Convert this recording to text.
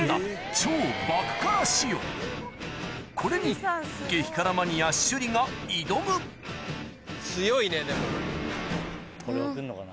これに激辛マニア趣里が挑む強いねでも。